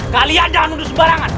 kalian jangan mundur sembarangan